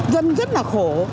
dân rất là khổ